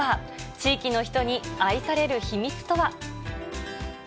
地域の人に愛される秘密とは。